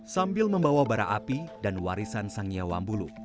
sambil membawa bara api dan warisan sangnya wambulu